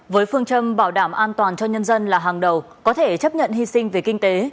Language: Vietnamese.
với phương châm bảo đảm an toàn cho nhân dân là hàng đầu có thể chấp nhận hy sinh về kinh tế